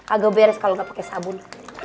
agak beres kalau gak pake sabun